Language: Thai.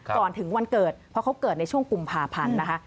ก่อนถึงวันเกิดเพราะเขาเกิดในช่วงกุมภาพันธ์นะคะ